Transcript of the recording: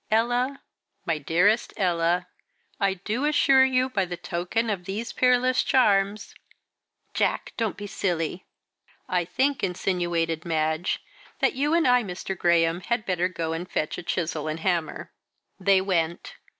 Ella, my dearest Ella, I do assure you, by the token of those peerless charms " "Jack, don't be silly." "I think," insinuated Madge, "that you and I, Mr. Graham, had better go and fetch a chisel and a hammer." They went.